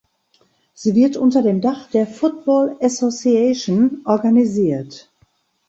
Sie wird unter dem Dach der Football Association organisiert.